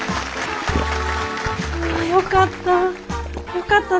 よかったぁ。